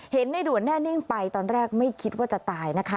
ในด่วนแน่นิ่งไปตอนแรกไม่คิดว่าจะตายนะคะ